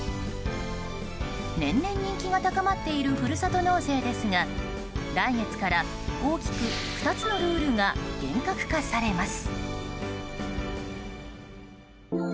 年々人気が高まっているふるさと納税ですが来月から大きく２つのルールが厳格化されます。